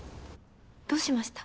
どうしました？